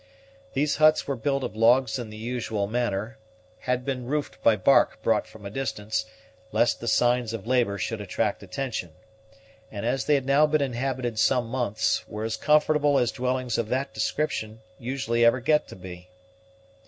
These huts were built of logs in the usual manner, had been roofed by bark brought from a distance, lest the signs of labor should attract attention, and, as they had now been inhabited some months, were as comfortable as dwellings of that description usually ever get to be.